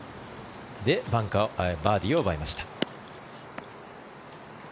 で、バーディーを奪いました。